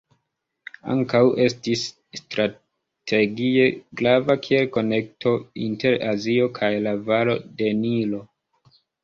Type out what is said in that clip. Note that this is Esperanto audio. Ankaŭ estis strategie grava kiel konekto inter Azio kaj la valo de Nilo.